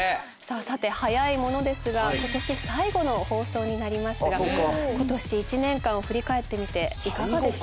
さて早いものですが今年最後の放送になりますが今年一年間を振り返ってみていかがでしたか？